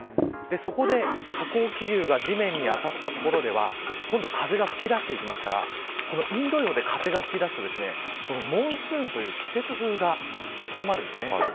そこで、下降気流が地面に当たっ所では風が吹き出すものでインド洋で風が吹きだすとモンスーンという季節風が強まるんです。